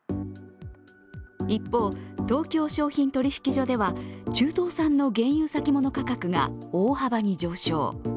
一方、東京商品取引所では中東産の原油の先物価格が大幅に上昇。